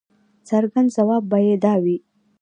څرګند ځواب به یې دا وي.